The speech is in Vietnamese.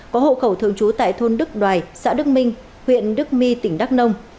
có hộ khẩu thường trú tại thôn đức đoài xã đức minh huyện đức my tỉnh đắk nông